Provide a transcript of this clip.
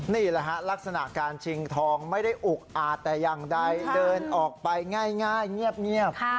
นี่แหละฮะลักษณะการชิงทองไม่ได้อุกอาจแต่อย่างใดเดินออกไปง่ายเงียบ